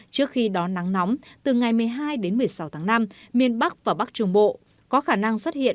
trước khi đó nắng nóng từ ngày một mươi hai đến một mươi sáu tháng năm miền bắc và bắc trung bộ có khả năng xuất hiện